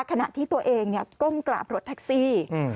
ขณะที่ตัวเองก้มกราบรถแท็กซี่